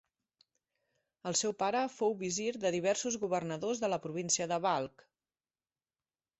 El seu pare fou visir de diversos governadors de la província de Balkh.